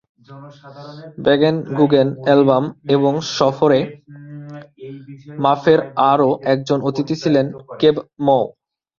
বেগেনগুগেন album এবং সফরে মাফের আরও একজন অতিথি ছিলেন কেব মো'।